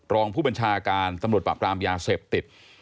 รองผู้บัญชาการตำรวจปราบรามยาเสพติด